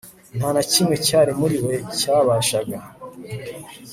Nta na kimwe cyari muri we cyabashaga